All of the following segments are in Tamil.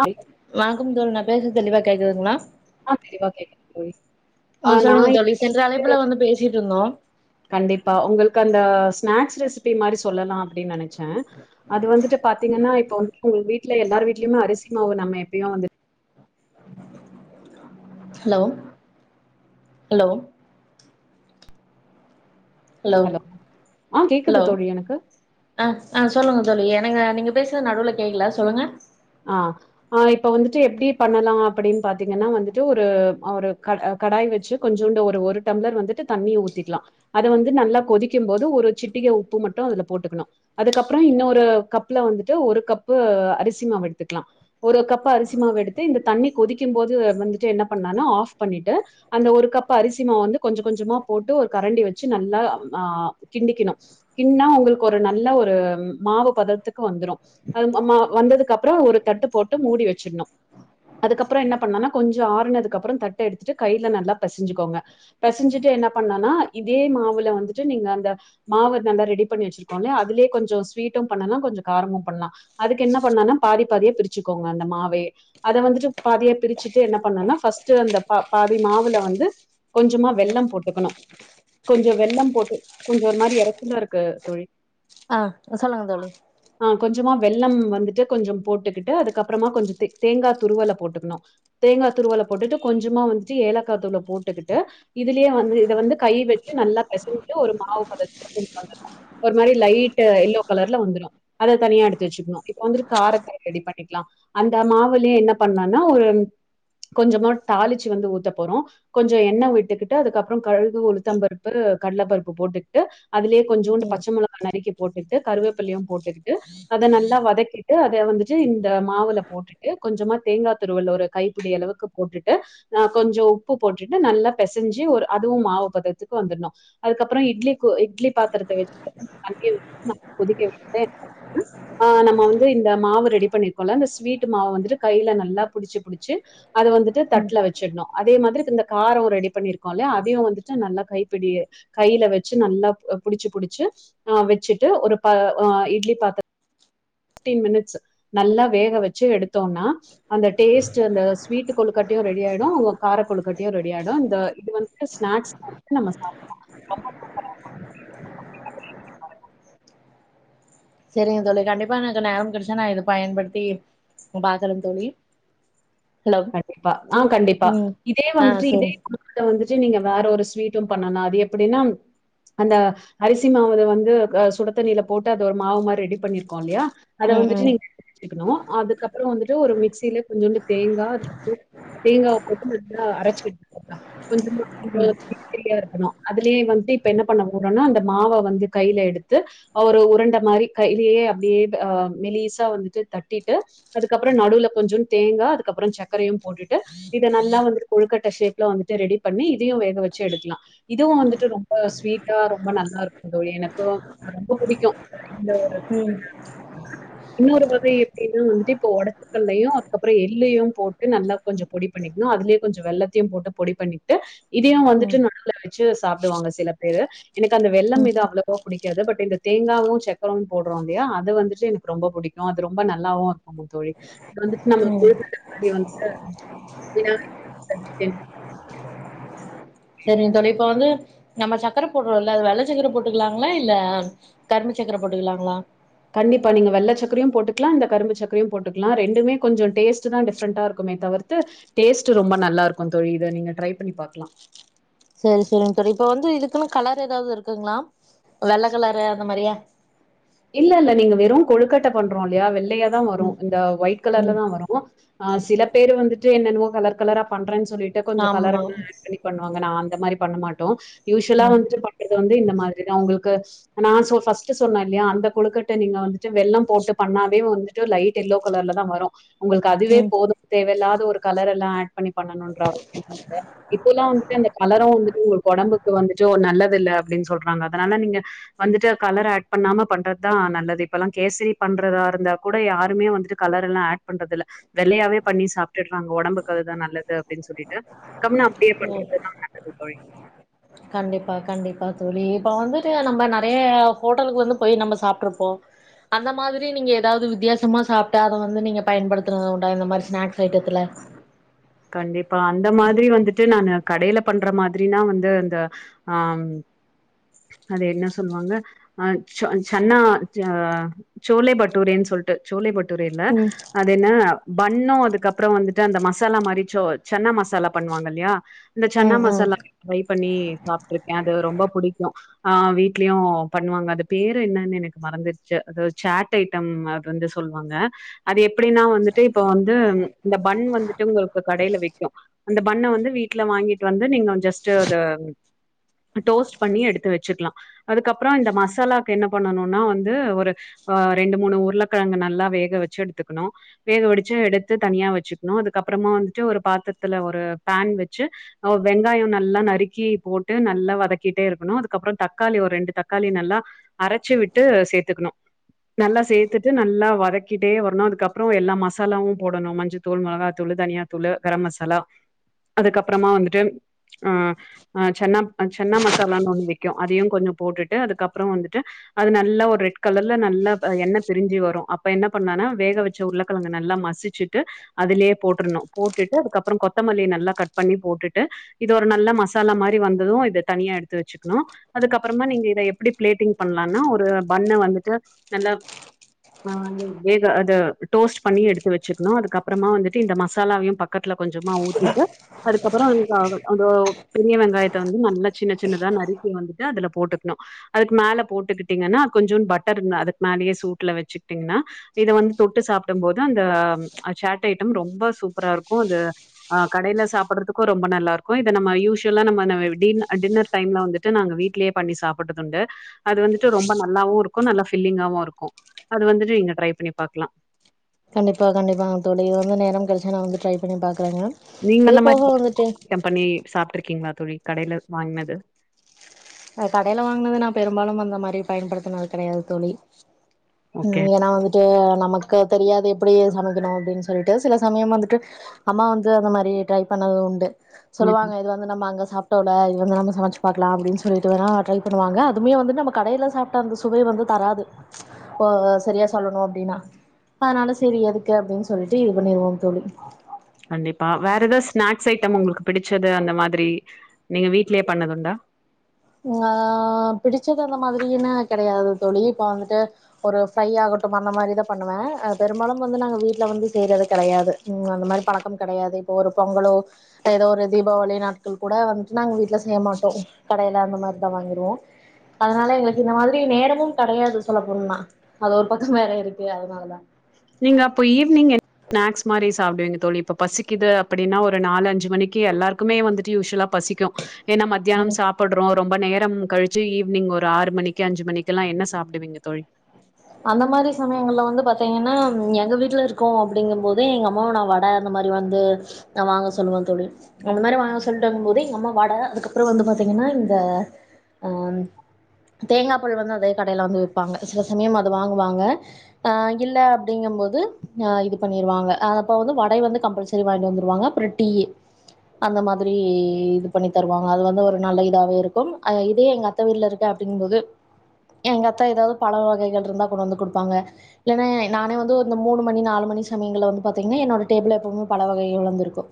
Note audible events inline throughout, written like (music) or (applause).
ஆ வாங்குந்தோழன் நா பேசுறது தெளிவா கேக்குதுங்களா ஆ தெளிவா கேக்குது தோழி ஆ நா சொல்லுங்க தோழி இன்னைக்கு சென்ற வந்துட்டு அழைப்புல வந்து பேசிட்டு இருந்தோ கண்டிப்பா உங்களுக்கு அந்த ஸ் ஸ்நாக்ஸ் ரெசிபி மாரி சொல்லலா அப்டின்னு நெனச்சே அது வந்துட்டு பாத்தீங்கன்னா இப்ப வந்து ஒங்க வீட் எல்லார் வீட்லயுமே அரிசி மாவு நம்ம எப்பயு வந்து ஹலோ ஹலோ ஹலோ ஆ ஹலோ கேக்குது தோழி எனக்கு. ஆ ஆ சொல்லுங்க சொல் என்னங்க நீங்க பேசுறது நடுவுல கேக்கல சொல்லுங்க ஆ ஆ இப்ப வந்துட்டு எப்டி பண்ணலா அப்டின்னு பாத்தீங்கன்னா வந்துட்டு ஒரு ஒரு கட கடாய் வச்சு கொஞ்ஜோண்டு ஒரு ஒரு டம்ளர் வந்துட்டு தண்ணிய ஊத்திக்கலா அதை வந்து நல்லா கொதிக்கும் போது ஒரு சிட் உப்பு மட்டு அதுல போட்டுக்கணு அதுக்கப்ற இன்னொரு கப்ல வந்துட்டு ஒரு கப்பு அரிசி மாவு எடுத் த்துக்கலா ஒரு கப்பு அரிசி மாவு எடுத்து இந்த தண்ணி கொதிக்கு போது வந்துட்டு என்ன பண்ணனா ஆஃப் பண்ணிட்டு அந்த ஒரு கப் அரிசி மாவ வந்து கொஞ்ச கொஞ்சமா போட்டு ஒரு கரண்டி வச்சு நல்லா ஆ கிண்டிக்கணு இன்ன ஒங்களுக்கு ஒரு நல்ல ஒரு மாவு பதத்துக்கு வந்துரும் அது மா வந்ததுக்கப் அப்ற ஒரு தட்டு போட்டு மூடி வச்சுணு அதுக்கப்பற என்ன பண்ணனா கொஞ்ச ஆறுனதுக்கப்ற தட்ட எடுத்துட்டு கையில நல்லா பெசஞ்சுக்கோங்க பெசஞ்சுட்டு என்ன பண்ணனா இதே மாவுல வந்துட்டு நீங்க அந்த மாவு நல்ல ரெடி பண்ணி வச்சிருக்கோம்லயா அதுல கொஞ்ச ஸ்வீட்டு பண்ணலா கொஞ்ச காரமு பண்ணலா அதுக்கு என்ன பண்ணனா பாதி பாாதியா பிருச்சுக்கோங்க அந்த மாவயே அத வந்துட்டு பாதியா பிருச்சுட்டு என்ன பண்ணனா பர்ஸ்ட்டு அந்த ப ப பாதி மாவுல வந்து கொஞ்சமா வெள்ளம் போட்டுக்கணு கொஞ்ச வெள்ளம் போட்டு கொஞ்ச ஒரு மாரி எறக்குல்லா இருக்கு தோழி ஆ சொல்லுங்க தோழி ஆ கொஞ்சமா வெள்ளம் வந்துட்டு கொஞ்ச போட்டுக்கிட்டு அதுக்கப்றமா கொஞ்ச தே தேங்கா துருவல போட்டுக்கணு தேங்கா துருவல போட்டுட்டு கொஞ்சமா வந்துட்டு ஏலக்காத்தூள போட்டுக்கிட்டு இதுலயே வந்து இத வந்து கை வச்சு நல்லா பெசஞ்சு ஒரு மாவு பதத்த ஒரு மாரி லைட்டு எல்லோ கலர்ல வந்துரு அத தனியா எடுத்து வெச்சுக்ணு இப்ப வந்துட்டு காரத்த ரெடி பண்ணிக்கலா அந்த மாவுலியு என்ன பண்லான்னா ஒரு கொஞ்சமா தாளிச்சு வந்து ஊத்த போறோ கொஞ்சோ எண்ண விட்டுக்கிட்டு அதுக்கப்றோ கழுகு, உளுத்தம்பருப்பு (unintelligible) கல்லப்பருப்பு போட்டுக்ட்டு அதுலே கொஞ்சோண்டு ம் பச்ச மொளகா நறுக்கி போட்டுக்ட்டு கருவேப்பிலயு போட்டுக்கிட்டு அத நல்லா வதக்கிட் டு அத வந்துட்டு இந்த மாவுல போட்டுட்டு கொஞ்சமா தேங்கா துருவல் ஒரு கைப்புடி அளவுக்கு போட்டுட்டு அ கொஞ்சோ உப்பு போட்டுட்டு நல்லா பெசஞ்சி ஒரு அதுவு மாவு பதத்துக்கு வந்துர்னு அதுக்கப்றோ இட்லி ப இட்லி பாத்தரத்த வெச் (inaudible) தண்ணி (inaudible) கொதிக்க (inaudible) ஆ நம்ம வந் து இந்த மாவு ரெடி பண்ணீர்க்கோல்ல இந்த ஸ்வீட்டு மாவு வந்துட்டு கைல நல்லா புடிச்சி புடிச்சி அத வந்துட்டு ம் தட்ல வெச்சிட்ணு அதே மாதிரி இந்த காரோ ரெடி பண்ணீர்க்கோ இல்லியா அதையு வந்துட்டு நல்லா கைப்புடி கைல வெச்சு நல்லா அ புடிச்சி புடிச்சி ஆ வெச்சிட்டு ஒரு பா அ இட்லி பாத்த டீன் மினிட்ஸு நல்லா வேக வச்சு எடுத்தோன்னா அந்த டேஸ்ட்டு அந்த ஸ்வீட்டு கொழுக்கட்டயு ரெடி ஆய்டு உங்க காரக்கொழுக்கட்டயு ரெடி ஆய்டு இந்த இது வந்துட்டு ஸ்நாக்ஸ் டைம்க்கு நம்ம சாப்பட்லா (inaudible) ஆ செரிங்க தோழி கண்டிப்பா எனக்கு நேர கெடச்சா நா இத பயன்படுத்தி உ பாதல தோழி ஹலோ கண்டிப்பா ஆ கண்டிப்பா ம் இதே ஆ வந்துட்டு இதே செரி குடும்பத்தை வந்துட்டு நீங்க வேற ஒரு ஸ்வீட் பண்ணலா அது எப்படின்னா அந்த அரிசி மாவுல வந்து சுடத்தண்ணில போட்டு அது ஒரு மாவு மாரி ரெடி பண்ணிருக்கோ இல்லயா அத ம் ம் வந்துட்டு நீங்கக் கத்துகணு அதுக்கப்பற வந்துட்டு ஒரு மிக்சில கொஞ்சோண்டு தேங்கா தேங்காவ போட்டு நல்லா அரைச்சு எடுத்துகோங்க கொஞ்சமா கொஞ்ச ம் திரி திரியா இருக்கணு அதுலயே வந்துட்டு இப்ப என்ன பண்ணவோ னா அந்த மாவ வந்து கைல எடுத்து அவர் உறண்ட மாரி கைலயே அப்டியே மெலிசா வந்துட்டு தட்டிட்டு அதுக்கப்பற நடுவுல கொஞ்சொ தேங்கா அதுக்கபற சக் க்கரையு போட்டுட்டு இத நல்லா வந்துட்டு கொழுக்கட் ட்ட ஷேப்ல வந்துட்டு ரெடி பண்ணி இதையு வேக வச்சு எடுக்கலா இதுவு வந்துட்டு ரொம் ப ஸ்வீட்டா ரொம்ப நல்லாருக்கு தோழி எனக்கு ரொம்ப புடிக்கு இந்த ஒரு ம் இன்னொரு வகை எப்படின்னா வந்துட்டு இப்போ ஒடச்சக்கல்லையு அதுக்கப்பற எள்ளையு போட்டு நல்லா கொஞ்ச பொடி பண்ணிக்கணு அதுலேயு கொஞ்ச வெள்ளத்தையு போட்டு பொடி பண்ணிகிட்டு இதையு ம் வந்துட்டு நடுவுல வச்சு சாப்டுவாங்க சில பேரு எனக்கு அந்த வெள்ள ம் மீது அவ்ளோவா பிடிக்காது பட் இந்த தேங்காவு சக்கரம் போடுறோ இல்லையா அது வந்துட்டு எனக்கு ரொம்ப புடிக்கு அது ரொம்ப நல்லாவு இருக்கு தோழி வந்துட்டு நம்ம (inaudible) ம் மாரி வந்துட்டு (inaudible) செரிங்க தோழி இப்ப வந்து நம்ம சக்கர போட்டுறோல அது வெள்ள சக்கர போட்டுக்கலாங்களா இல்ல கரும்பு சக்கர போட்டுக்கலாங்களா கண்டிப்பா நீ வெள்ள சக்கரயு போட்டுக்கலா இந்த கரும்பு சக்கரையு போட்டுக்கலா ரெண்டுமே கொஞ்சோ டேஸ்ட் தா டிஃப்ரண்டா இருக்கு மே தவிர்த்து டேஸ்ட் ரொம்ப நல்லா இருக்கு தோழி இத நீங்க ட்ரை பண்ணி பாக்கலா செரி செரிங்க தோழி இப்ப வந்து இதுக்குன்னு கலர் ஏதாவது இருக்குங்ளா வெள்ள களறு அந்த மாரி இல்ல இல்ல நீங்க வெறு கொழுக்கட்ட பண்றோ இல்லையா வெள்ளையாதா வரும் ம் இந்த ஒயிட் கலர்ல ம் தா வரும் ஆ சில பேர் வந்துட்டு என்னெனவோ கலர் கலரா பண்றேன்னு சொல்லிட்டு கொஞ்ச கலர் ஆமா எல்லா ம் ஆட் பண்ணி பண்ணுவாங்க நா அந்த மாரி பண்ண மாட்டோ யூசுவலா வந்து பண்றது வந்து இந்த மாரிதா உங்களு க்கு நா சொ ஃபர்ஸ்ட்டு சொன்னன் இல்லையா அந் த கொழுக்கட்ட நீங்க வந்துட்டு வெள்ள போட்டு பண்ணாவே வந்துட்டு லைட் எல்லோ கலர்ல தா வரும் உங்களுக்கு அதுவே ம் போது தேவையில்லாத ஒரு கலர் எல்லா ஆட் பண்ணி பண்ணு ரா அவசியம் இல்ல இப்பல்லா வந்துட்டு அந்த கலரு வந்துட்டு ஒடம்புக்கு வந்துட்டு நல்ல தில்ல அப்படின்னு சொல்றாங்க அதனால நீங்க வந்துட்டு கலர் ஆட் பண்ணாம பண்ற து தா நல்லது இப்பெல்லா கேசரி பண்றதா இருந்தா கூட யாருமே வந்துட்டு கலர்ல்லா ஆட் பண்றதில்ல வெள்ளையாவே பண்ணி சாப்டிட்டுறாங்க ஒடம்புக்கு அதுதா நல்லது அப்படின்னு சொல்லிட்டு கம்னு அப்டியே ஓ பண்றதுதான் நல்லது தோழி கண்டிப்பா கண்டிப்பா தோழி இப்ப வந்துட்டு நம்ம நறைய ஹோட்டலுக்கு வந்து போய் நம்ம சாப்ட்ருப்போ அந்த மாதிரி நீங்க ஏதாவது வித்தியாசமா சாப்ட்டா அத வந்து நீங்க பயன்படுத்துறது உண்டா இந்த மாரி ஸ்நாக்ஸ் ஐட்டத்துல கண்டிப்பா அந்த மாதிரி வந்துட்டு நானு கடையில பண்ற மாதிரினா வந்து அந்த ஆ அது என்ன சொல்லுவாங்க அ சன்னா அ சோலே பட்டூரேன்னு சொல் ட்டு சோலே பட்டூரே இல்ல ம் அது என்ன பண்ணு அதுக்கப்புறம் வந்துட்டு அந்த மசாலா மாரிச்சோ சென்னா மசாலா பண்ணுவாங்க இல்லையா இந்த சன்னா ம் ம் மசாலா ட்ரை பண்ணி சாப்பிட்டு இருக்கே அது ரொம்ப புடிக்கு ஆ வீட்லயு பண்ணுவாங்க அது பேரு என்னன்னு எனக்கு மறந்துருச்சு அது சேட் ஐட்டம் அது வந்து சொல்வாங்க அது எப்படின்னா வந்துட்டு இப்ப வந்து இந்த பண் வந்துட்டு உங்களுக்கு கடையில விக்கு அந்த பண்ண வந்து வீட்டுல வாங்கிட்டு வந்து நீங்க ஜஸ்ட்டு அத டோஸ்ட் பண்ணி எடுத்து வச்சுக்லா அதுக்கப்பறம் இந்த மசாலாக்கு என்ன பண்ணும்னா வந்து ஒரு ரெண்டு மூணு உருளக்கிழங்கு நல்லா வேகவச்சு எடுத்துக்கணு வேகவடிச்சு எடுத்து தனியா வச்சுக்கணு அதுக்கப்பறம் மா வந்துட்டு பாத்தரத்துல ஒரு பேன் வச்சு வெங்காய நல்லா நறுக்கி போட்டு நல்லா வதக்க கிட்டே இருக்கனு அதுக்கப்பறம் தக்காளி ஒரு ரெண்டு தக்காளி நல்லா அரைச்சு விட்டு சேத்துக்கணு நல்லா சேர்த்துட்டு நல்லா வதக்கிட்டே வரணு அதுக்கப்பறம் எல்லா மசாலாவு போடணு மஞ்ச தூள் மிளகா தூள் தனியா தூள் கரம் மசாலா அதுக்கப்பறமா வந்துட்டு ஆ அ சென்னா சென்னா மசாலான்னு ஒன்னு விக்கு அதையு கொஞ்ச போட்டுட்டு அதுக்கப்பறம் வந்துட்டு அது நல்லா ஒரு ரெட் கலர்ல நல்ல என்ன பிரிஞ்சி வரும் அப்ப என்ன பண்ணனா வேக வச்ச உருளக்கிழங்க நல்லா மசிச்சுட்டு அதுலயே போட்டுறன்னு போட்டுட்டு அதுக்கப்பறம் கொத்தமல்லி நல்லா கட் பண்ணி போட்டுட்டு இது ஒரு நல்ல மசாலா மாரி வந்தது இது தனியா எடுத்து வச்சுக்கணு அதுக்கப்பறமா நீங்க எப்படி பிளட்டிங் பண்ணலானா ஒரு பண்ண வந்துட்டு நல்ல டப் ஆ வேக அத டோஸ்ட் பண்ணி எடுத்து வச்சுக்கணு அதுக்கப்பறமா வந்துட்டு இந்த மசாலாவையு பக்கத் துல கொஞ்சமா ஊத்திட்டு அதுக்கப்பறம் அந்த ஆ பெரிய வெங்காயத்த வந்து நல்ல சின்ன சின்னதா நறுக்கி வந்துட்டு அதுல போட்டுக்கணு அதுக்கு மேல போட்டுக்கிட்டீங்கன்னா கொஞ்ச பட்டர் அதுக்கு மேல அதிலேயே சுட்டுல வச்சுகிட்டேங்கன இத வந்து தொட்டு சாப்பிடு போது அந்த சாட் ஐட்டம் ரொம்ப சூப் பரா இருக்கு அது அ கடையில சாப்பிடுறதுக்கு ரொம்ப நல்லா இருக்கு இத நம்ம யூசுவலா நம்ம டி ன்னர் டைம்ல வந்துட்டு நாங்க வீடலேயே பண்ணி சாப்பிட்டது உண்டு அது வந்துட்டு ரொம்ப நல்லாவு இருக்கு நல்லா ஃபீல்லிங்காவு வுருக்கு அது வந்துட்டு நீங்க ட்ரை பண்ணி பாக்லா கண்டிப்பா கண்டிப்பாங் தோழி இது வந்து நேர கடைச்சா நா வந்து ட்ரை பண்ணி பாக் நீங்க அந்த மாரி (inaudible) பண்ணி சாப்ட்ரீ கீங்ளா தோழி கடைல வாங்னது அ கடைல வாங்னது நா பெரும்பாலு அந்த மாரி பயன்படுத்துனது கெடையாது தோழி ஓகே. ம் ஏனா வந்துட்டு நமக்கு தெரியாது எப்டி சமைக்கணு அப்டின் சொல்ட்டு சில சமயம் வந்துட்டு அம்மா வந்து அந்த மாரி ட்ரை பண்ணது உண்டு ம். சொல்லுவாங்க இது வந்து நம்ம அங்க சாப்ட்டோல இது வந் நம்ம சமைச்சு பாக்லா அப்டின் சொ சொல்லிட்டு வேணா ட்ரை பண்ணுவாங்க அதுமே வந்து நம்ம கடைல சாப்ட்ட அந்த சுவை வந்து தராது போ சரியா சொல்லணு அப்டின்னா அதனால செரி எதுக்கு அப்டின் சொல்லிட்டு இது பண்ணருவோ தோழி ஆ கண்டிப்பா வேற எதா ஸ்நாக்ஸ் ஐட்டம் உங்ளுக்கு பிடிச்சது அந்த மாதிரி நீங்க வீட்லே பண்ணதுண்டா ஆ பிடிச்சது அந்த மாதிரினு கெடையாது தோழி இப்ப வந்துட்டு ஒரு ஃபிரை ஆக (inaudible) அந்த மாதிரி தா பண்ணுவே பெரும்பாலு வந்து நாங்க வீட்ல வந்து செய்யறது கெடையாது அந்த மாரி பழக்கம் கெடையாது இப்போ ஒரு பொங்கலோ எதோ ஒரு தீபாவளி நாட்கள் கூட வந்துட்டு நாங்க வீட்ல செய்ய மாட்டோ கடைல ல அந்த மாதிரிதா வாங்கிருவோ அதனால எங்ளுக்கு இந்த மாதிரி நேரமு கெடையாது சொல்லப்போனா அது ஒரு பக்கோ வேற இருக்கு அதனாலதா நீங்க அப்போ ஈவ்னிங் ஸ்நாக்ஸ் மாரி சாப்டுவிங்க தோழி இப்ப பசிக்குது அப்டின்னா ஒரு நாலஞ்சி மணிக்கு எல்லாருக்குமே வந்துட்டு யூஷுவலா பசிக்கு ஏனா மத்தியானம் சாப்புட்றோ ஒரு ரொம்ப நேரம் கழிச்சு ஈவினிங் ஒரு ஆறு மணிக்கு அஞ்சு மணிக்குலா என்ன சாப்டுவீங்க தோழி அந்த மாரி சமயங்கள்ல வந்து பாத்தீங்கன்னா எங்க வீட்ல இருக்கோ அப்டிங்கம் போது எங்க அம்மாவ நா வட மாரி வந்து நா வாங்க சொல்லுவே தோழி அந்த மாரி வாங்க சொல்லட்டங் போது அம்மா வட அதுக்கப்றம் வந்து பாத்தீங்க னா இந்த அ தேங்கா பால் வந்து அதே கடைல வந்து விப்பாங்க சில சமயம் அது வாங்குவாங்க அ இல்ல அப்டிங்கம்போது அ இது பண்ணிருவாங்க அ அப்ப வந்து வட டை வந்து கம்பல்சரி வாங்ட்டு வந்துருவாங்க அப்றம் டீயி அந்த மாதிரி இது பண்ணி தருவாங்க அது வந்து ஒரு நல்ல இதாவே இருக்கும் அ இதே எங்க அத்த வீட்ல இருக்க அப்டிங்போது எங்க அத்த எதாது பழ வகைகள் இருந்தா கொண்டு வந்து குடுப்பாங்க இல்லனா ஏ நானே வந்து து அந்த மூணு மணி நாலு மணி சமயங்கல வந்து பாத்தீங்கன்னா என்னோட டேபுள்ல எப்புமே பழ வகையோ (unintelligible) வந்துருக்கு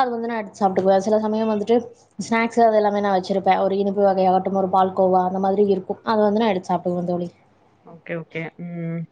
அது வந்து நா எடுத்து சாப் ட்டுகுவே சில சமயம் வந்துட்டு ஸ்நாக்ஷூ அது எல்லாமே நா வச்சிருப்பே ஒரு இனிப்பு வகையாகட்டு ஒரு பால் கோவா அந்த மாரி இருக்கு அத வந்து நா எடுத்து சாப்டுவே தோழி ஓகே ஓகே ம்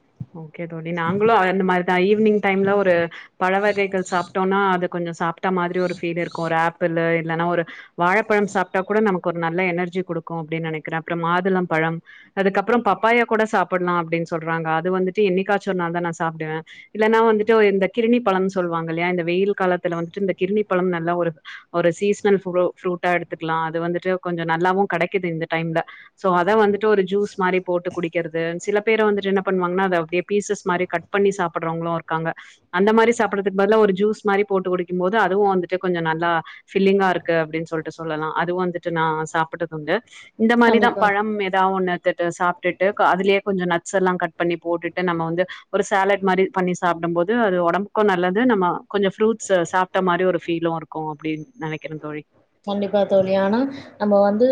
ஓகே தோழி நாங்களு அ அந்த மாரிதா ஈவினிங் டைம்ல ஒரு பழ வகைகள் சாப்ட்டோனா அது கொஞ்சோ சாப்ட்ட மாதிரி ஒரு ஃபீல் இருக்கு ஒரு ஆப் பில் இல்லைன்னா ஒரு வாழைப்பழம் சாப்ட்டா கூட நமக்கு ஒரு நல்ல எனர்ஜி குடுக்கு அப்டின் நெனைக்குறே அப்றம் மாதுளம் பழ ழம் அதுக்கப்றம் பப்பாயா கூட சாப்புல்லா அப்டின் சொல்றாங்க அது வந்துட்டு என்னிக்காச்சு ஒரு நாள் தா நா சாப்டுவே இல்லன்னா வந்துட்டு ஒ இந்த கிரிணிப் பழம்னு சொல்வாங்க இல்லையா இந்த வெயில் காலத்துல வந்துட்டு இந்த கிரிணி பழம் நல்ல ஒரு ஒரு சீசனல் ஃபூரு ஃபூரூட்டா எடு த்துக்லா அது வந்துட்டு கொஞ்சோ நல்லாவு கெடைக்குது இந்த டைம்ல சோ அத வந்துட்டு ஒரு ஜூஸ் மாரி போட்டு குடிக்கறது சில பேர் வந்துட்டு என்ன பண்ணுவாங்னா அத அப்டியே பீசஸ் மாரி கட் பண்ணி சாப்புட்றவங்களு இருக்காங்க அந்த மாரி சாப்புறதுக்கு பதுலா ஒரு ஜூஸ் மாரி போட்டு குடிக்கும் போது அதுவு வந்துட்டு கொஞ்சோ நல்லா ஃபில்லிங்காருக்கு அப்டின் சொல்ட்டு சொல்லலா அதுவு வந்துட்டு நா சாப்புட்டதுண்டு இந்த மாரிதா கண்டிப்பா. பழம் எதா ஒன்னு (unintelligible) சாப் ட்டுட்டு அதுலே கொஞ்சோ நட்சேல்லா கட் பண்ணி போட்டுட்டு நம்ம வந்து ஒரு சேலட் மாரி பண்ணி சாப்டம்போது அது ஒடம்புக்கு நல்லது நம்ம கொஞ்சோ ஃப்ரூட்ஷூ சாப்ட்ட மாரி ஒரு ஃபீலுருக்கு அப்டின் நெனைக்கிறே தோழி கண்டிப்பா தோழி ஆனா நம்ம வந்து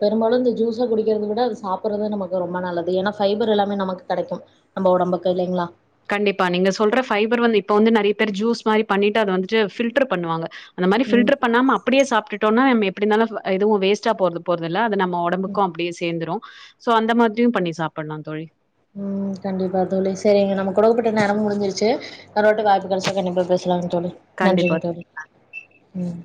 பெரும்பாலு இந்த ஜூஸா குடிக்கறது விட அது சாப்புர்றது நமக் கு ரொம்ப நல்லது ஏனா ஃபைபர் எல்லாமே நமக்கு கெடைக்கு நம்ம ஒடம்புக்கு இல்லைங்ளா கண்டிப்பா நீங்க சொல்ற ஃபைபர் வந் இப்ப வந்து நறைய பேர் ஜூஸ் மாரி பண்ணிட்டு அத வந்துட்டு ஃபில்ட்ரு பண்ணுவாங்க அந்த மாரி ம். ம். ஃபில்ட்ரு பண்ணாம அப்டியே சாப்ட்டுட்டோனா நம்ம எப்டினாலு அ எதுவு வேஸ்ட்டா போது போறதுல்ல அது நம்ம ம்ம ஒடம்புக்கு அப்டியே சேந்துரு சோ அந்த மாதிரியு பண்ணி சாப்புல்லா தோழி ம் கண்டிப்பா தோழி சேரிங்க நம்ம குடுக்கப்பட்ட நேரமு முடிஞ்சிருச்சு இன்னோர் வாட்டி வாய்ப்பு கெடச்சா கண்டிப்பா பேசலாம் தோழி கண்டிப்பா நன்றிங்க தோழி ம்